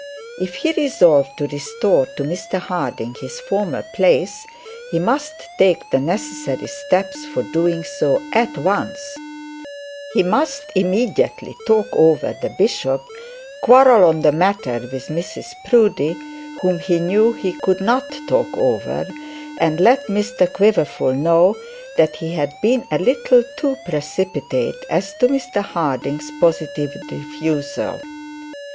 If he resolved to restore to Mr Harding his former place, he must take the necessary steps for doing so at once; he must immediately talk over the bishop, quarrel on the matter with Mrs Proudie whom he knew he could not talk over, and let Mr Quiverful know that he had been a little too precipitate as to Mr Harding's positive refusal.